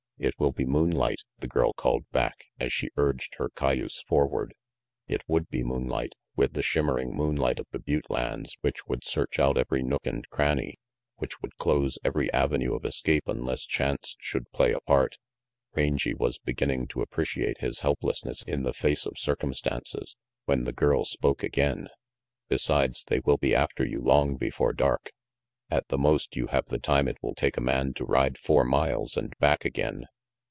"It will be moonlight," the girl called back, as she urged her cayuse forward. It would be moonlight, with the shimmering moonlight of the butte lands which would search out every nook and cranny, which would close every avenue of escape unless chance should play a part. Rangy was beginning to appreciate his helplessness in the face of circumstances, when the girl spoke again. "Besides, they will be after you long before dark. At the most, you have the time it will take a man to ride four miles and back again."